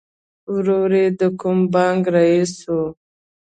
ورور یې د کوم بانک رئیس و